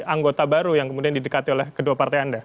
anggota baru yang kemudian didekati oleh kedua partai anda